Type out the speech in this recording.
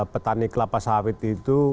petani kelapa sawit itu